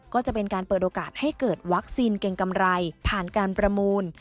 ก็จะเป็นการเปิดโอกาสให้เกิดวัคซีนเกรงกำไรผ่านการประมูล